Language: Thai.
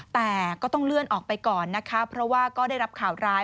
แต่ก็ต้องเลื่อนออกไปก่อนนะคะเพราะว่าก็ได้รับข่าวร้าย